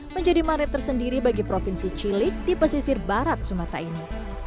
menjadi marit tersendiri bagi provinsi cilik di pesisir barat sumatera ini